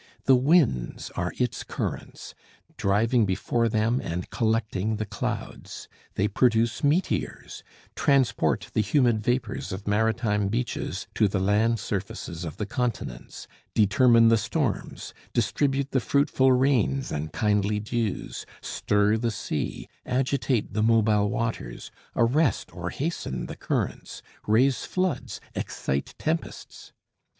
The winds are its currents, driving before them and collecting the clouds. They produce meteors; transport the humid vapors of maritime beaches to the land surfaces of the continents; determine the storms; distribute the fruitful rains and kindly dews; stir the sea; agitate the mobile waters, arrest or hasten the currents; raise floods; excite tempests.